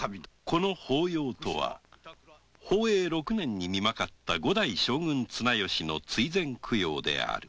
この法要とは宝永六年に逝去された五代将軍・綱吉の供養である